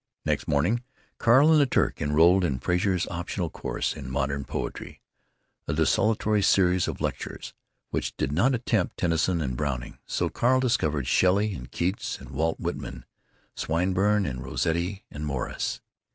Next morning Carl and the Turk enrolled in Frazer's optional course in modern poetry, a desultory series of lectures which did not attempt Tennyson and Browning. So Carl discovered Shelley and Keats and Walt Whitman, Swinburne and Rossetti and Morris.